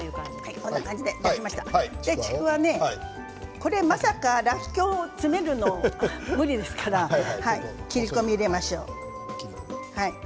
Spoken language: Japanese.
これ、ちくわの中にらっきょうを詰めるのは無理ですから切り込みを入れましょう。